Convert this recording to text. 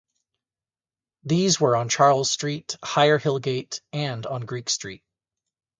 These were on Charles Street, Higher Hillgate and on Greek Street.